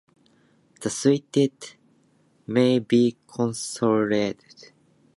The suits may be consolidated.